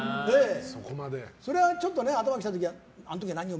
それはちょっと頭に来る時とかあの時は何よ！